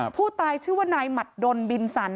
ผู้ตายชื่อว่านายหมัดดนบินสัน